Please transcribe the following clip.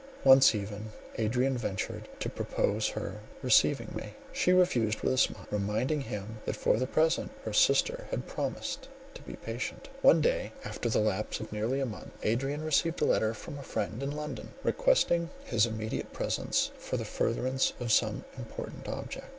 Once even, Adrian ventured to propose her receiving me. She refused with a smile, reminding him that for the present his sister had promised to be patient. One day, after the lapse of nearly a month, Adrian received a letter from a friend in London, requesting his immediate presence for the furtherance of some important object.